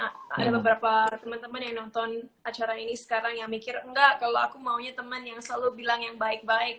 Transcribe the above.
ada beberapa teman teman yang nonton acara ini sekarang yang mikir enggak kalau aku maunya teman yang selalu bilang yang baik baik